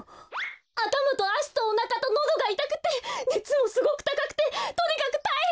あたまとあしとおなかとのどがいたくてねつもすごくたかくてとにかくたいへんなんです！